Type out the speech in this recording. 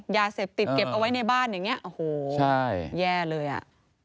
ยาเสพติดเก็บเอาไว้ในบ้านอย่างนี้โอ้โหแย่เลยอ่ะ